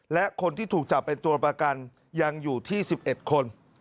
และคนที่ถูกจับเป็นตัวประกันยังอยู่ที่๑๑คน